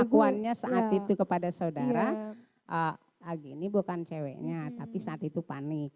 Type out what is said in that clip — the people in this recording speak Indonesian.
pengakuannya saat itu kepada saudara ag ini bukan ceweknya tapi saat itu panik